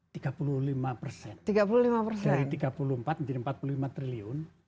dari tiga puluh empat menjadi empat puluh lima triliun